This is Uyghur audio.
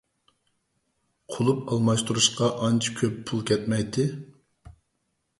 قۇلۇپ ئالماشتۇرۇشقا ئانچە كۆپ پۇل كەتمەيتتى.